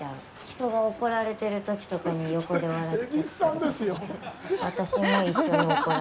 人が怒られてるときとかに横で笑っちゃったりとか。